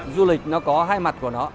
du lịch nó có hai mặt của nó